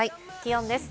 気温です。